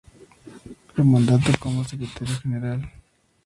Su mandato como Secretario Gral.